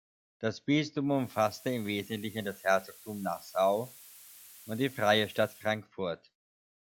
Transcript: Das Bistum umfasste im Wesentlichen das Herzogtum Nassau und die Freie Stadt Frankfurt.